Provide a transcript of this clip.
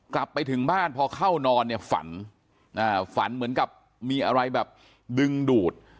กลับไปถึงบ้านพอเข้านอนเนี่ยฝันฝันเหมือนกับมีอะไรแบบดึงดูด